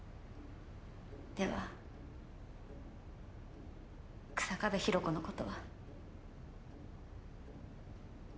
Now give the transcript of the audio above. では草壁弘子のことは？